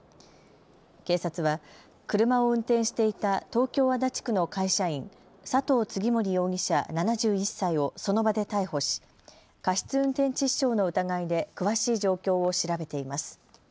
警察は車を運転していた東京足立区の会社員、佐藤次守容疑者７１歳をその場で逮捕し過失運転致死傷の疑いで詳しい状況を調べています。